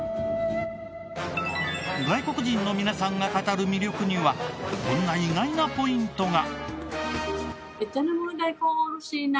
外国人の皆さんが語る魅力にはこんな意外なポイントが。